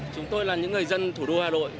chúng tôi là những người dân thủ đô hà nội